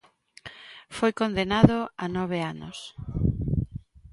Foi condenado a nove anos.